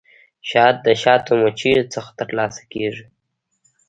شات د شاتو مچیو څخه ترلاسه کیږي